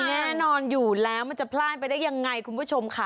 แน่นอนอยู่แล้วมันจะพลาดไปได้ยังไงคุณผู้ชมค่ะ